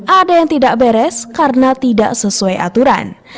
ada yang tidak beres karena tidak sesuai aturan